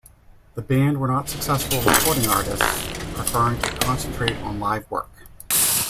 The band were not successful recording artists, preferring to concentrate on live work.